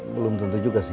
belum tentu juga sih